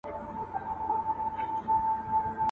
معلم صاحب په داسې حال کې راغی چې لور یې په لاس کې و.